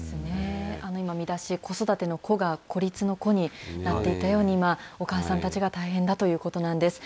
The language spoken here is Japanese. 今、見出し、子育てのこが、孤立のこになっていたように、今、お母さんたちが大変だということなんです。